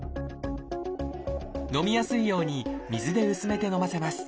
飲みやすいように水で薄めて飲ませます